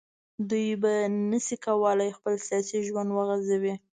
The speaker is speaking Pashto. دوی به نه شي کولای خپل سیاسي ژوند وغځوي